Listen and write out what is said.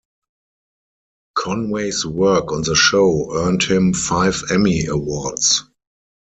Conway's work on the show earned him five Emmy Awards.